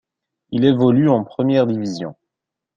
Il évolue en première division.